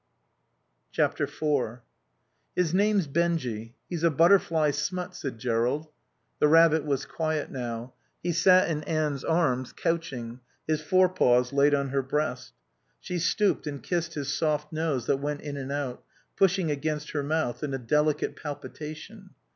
iv "His name's Benjy. He's a butterfly smut," said Jerrold. The rabbit was quiet now. He sat in Anne's arms, couching, his forepaws laid on her breast. She stooped and kissed his soft nose that went in and out, pushing against her mouth, in a delicate palpitation.